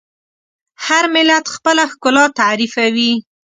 هر ملت خپله ښکلا تعریفوي.